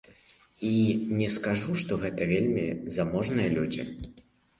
І не скажу, што гэта вельмі заможныя людзі.